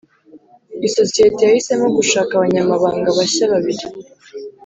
isosiyete yahisemo gushaka abanyamabanga bashya babiri.